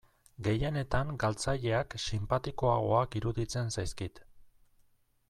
Gehienetan galtzaileak sinpatikoagoak iruditzen zaizkit.